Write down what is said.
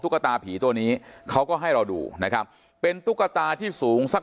ตาผีตัวนี้เขาก็ให้เราดูนะครับเป็นตุ๊กตาที่สูงสัก